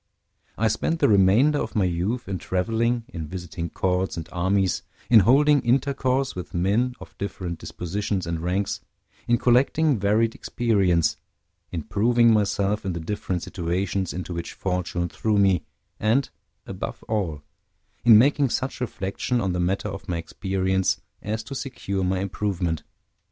I spent the remainder of my youth in traveling, in visiting courts and armies, in holding intercourse with men of different dispositions and ranks, in collecting varied experience, in proving myself in the different situations into which fortune threw me, and, above all, in making such reflection on the matter of my experience as to secure my improvement.